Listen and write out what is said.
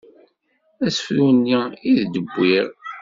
Asefru-nni i d-wwiɣ.